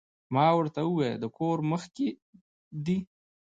ما ورته ووې د کور مخ کښې دې